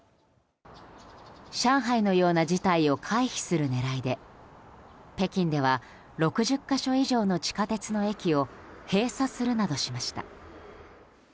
上海のような事態を回避する狙いで北京では６０か所以上の地下鉄の駅を閉鎖するなどしました。